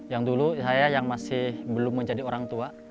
yang dulu saya yang masih belum menjadi orang tua